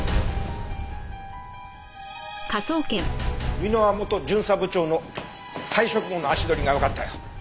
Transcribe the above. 箕輪元巡査部長の退職後の足取りがわかったよ。